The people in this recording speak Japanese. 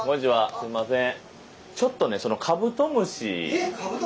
すいません。